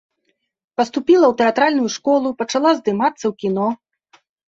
Паступіла ў тэатральную школу, пачала здымацца ў кіно.